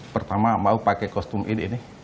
pertama mau pakai kostum ini